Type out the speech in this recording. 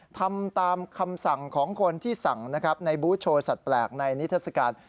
ทำตามคำสั่งของคนที่สั่งในบูธโชว์สัดแปลกในนิษฐศากษ์